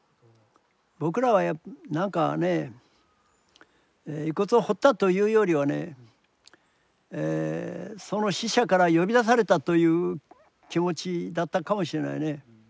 僕らは何かね遺骨を掘ったというよりはねその死者から呼び出されたという気持ちだったかもしれないね。